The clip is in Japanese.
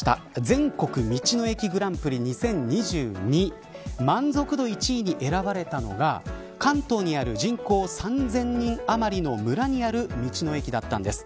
全国道の駅グランプリ２０２２満足度１位に選ばれたのが関東にある人口３０００人あまりの村にある道の駅だったんです。